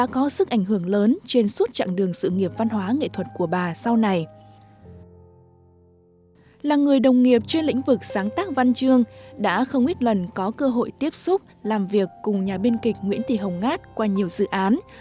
là người đồng nghiệp trên lĩnh vực sáng tác văn chương đã không ít lần có cơ hội tiếp xúc làm việc cùng nhà biên kịch nguyễn thị hồng ngát qua nhiều dự án